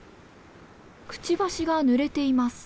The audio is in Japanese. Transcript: くちばしがぬれています。